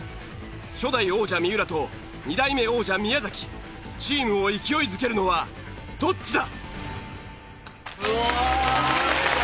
初代王者三浦と２代目王者宮崎チームを勢いづけるのはどっちだ？